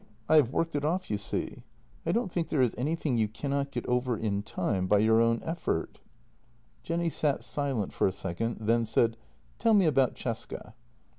I have worked it off, you see. I don't think there is anything you cannot get over in time by your own effort." 176 JENNY Jenny sat silent for a second, then said: "Tell me about Cesca."